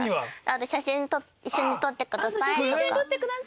あと「写真一緒に撮ってください」とか。